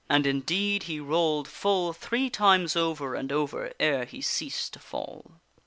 And indeed he rolled full three times over and over ere he ceased to fall.